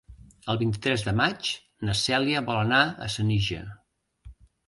El vint-i-tres de maig na Cèlia vol anar a Senija.